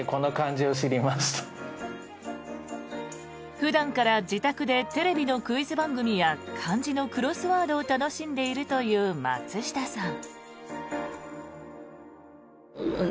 普段から自宅でテレビのクイズ番組や漢字のクロスワードを楽しんでいるという松下さん。